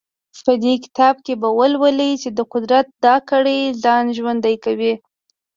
په دې کتاب کې به ولولئ چې د قدرت دا کړۍ ځان ژوندی کوي.